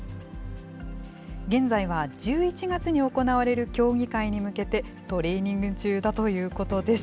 現在は１１月に行われる競技会に向けて、トレーニング中だということです。